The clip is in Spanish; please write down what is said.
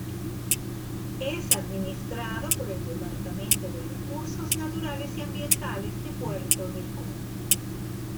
Es administrado por el Departamento de Recursos Naturales y Ambientales de Puerto Rico.